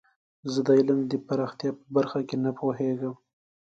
زه د علم د پراختیا په برخه کې نه پوهیږم.